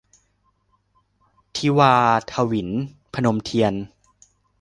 ทิวาถวิล - พนมเทียน